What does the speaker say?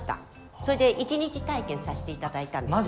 それで一日体験させて頂いたんですよ。